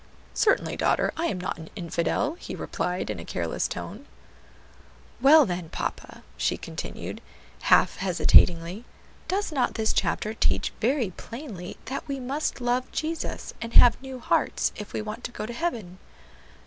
"Certainly, daughter; I am not an infidel," he replied in a careless tone. "Well, then, papa," she continued, half hesitatingly, "does not this chapter teach very plainly that we must love Jesus, and have new hearts, if we want to go to heaven?"